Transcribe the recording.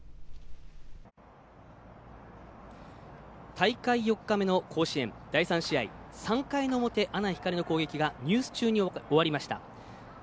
大会４日目の甲子園第３試合、３回の表阿南光の攻撃がニュース中に終わりました。